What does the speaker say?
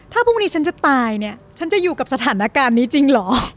ถ้าพรุ่งนี้ฉันจะตายเนี่ยฉันจะอยู่กับสถานการณ์นี้จริงเหรอ